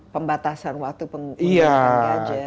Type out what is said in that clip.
pembatasan waktu penggunaan gadget